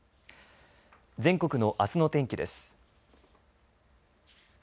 全国のあすの天気です。